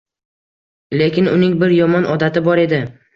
Lekin uning bir yomon odati bor edi.